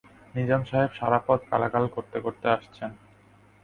নিজাম সাহেব সারা পথ গালাগালি করতে-করতে আসছেন।